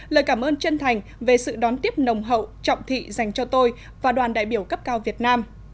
lời cảm ơn chân thành về sự đón tiếp nồng hậu trọng thị dành cho tôi và đoàn đại biểu cấp cao việt nam